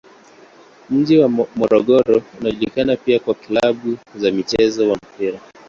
Mji wa Morogoro unajulikana pia kwa klabu za mchezo wa mpira.